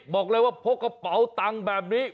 บอกเลยว่าพกกระเป๋าตังค์แบบนี้